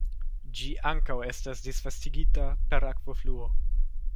Ĝi ankaŭ estas disvastigita per akvofluo.